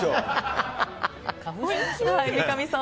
三上さん